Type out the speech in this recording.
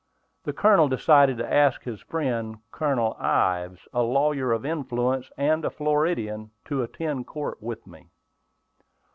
The Colonel decided to ask his friend, Colonel Ives, a lawyer of influence, and a Floridian, to attend court with me.